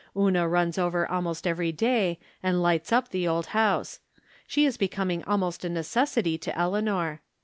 Una runs over almost every day, and lights up the old house. She is becoming almost a necessity to Eleanor.